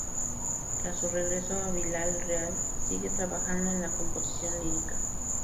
Tras su regreso a Vila-real sigue trabajando en la composición lírica.